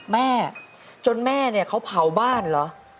แม่จนแม่เขาเผาบ้านหรือ